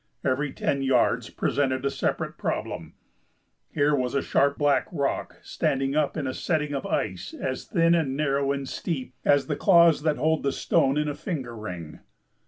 Every ten yards presented a separate problem. Here was a sharp black rock standing up in a setting of ice as thin and narrow and steep as the claws that hold the stone in a finger ring.